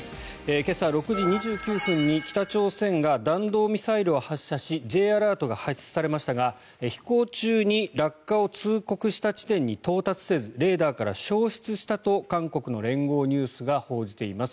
今朝６時２９分に北朝鮮が弾道ミサイルを発射しＪアラートが発出されましたが飛行中に落下を通告した地点に到達せずレーダーから消失したと韓国の連合ニュースが報じています。